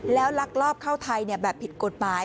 แล้วลักลอบเข้าไทยแบบผิดกฎหมาย